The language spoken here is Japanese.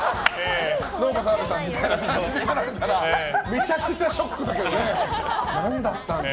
どうも澤部さんみたいな感じで来られたらめちゃくちゃショックだけどね。